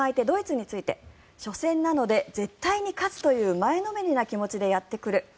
ドイツについて初戦なので絶対に勝つという前のめりな気持ちでやってくる。